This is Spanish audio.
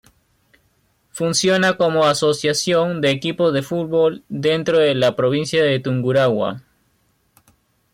Funciona como asociación de equipos de fútbol dentro de la Provincia de Tungurahua.